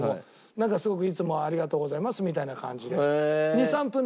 なんかすごくいつもありがとうございますみたいな感じで。